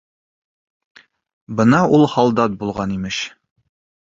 Бына ул һалдат булған, имеш.